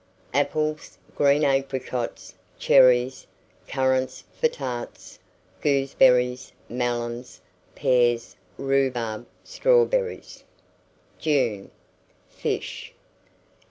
Apples, green apricots, cherries, currants for tarts, gooseberries, melons, pears, rhubarb, strawberries. JUNE. FISH.